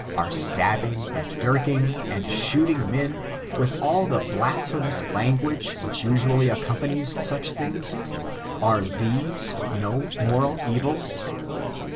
Are stab bing, and dirking, and shooting men — ^with all the blasj^bemous language which iisually accompanies such things ^are these no moral evils?